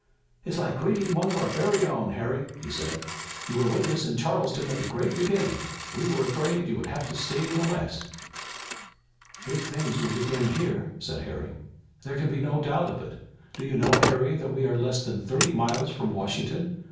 "It's like greeting one of our very own, Harry," he said. "You were with us in Charleston at the great beginning. We were afraid you would have to stay in the west." "The big things will begin here," said Harry. "There can be no doubt of it. Do you know, Harry, that we are less than thirty miles from Washington!